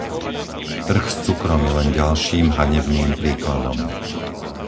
Trh s cukrom je len ďalším hanebným príkladom.